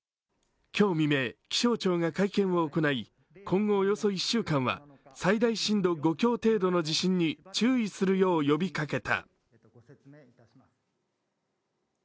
今日未明、気象庁が会見を行い今後、およそ１週間程度は最大震度５強程度の地震に注意するよう呼びかけた。